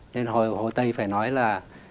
nên hồ tây phải nói là